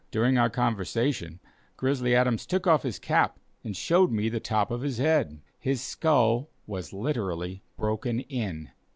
During our conversation, Grizzly Adams took off his cap, and showed me the top of his head. His skull was literally broken in.